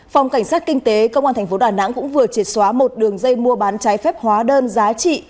phòng cảnh sát kinh tế công an tp đà nẵng cũng vừa triệt xóa một đường dây mua bán trái phép hóa đơn giá trị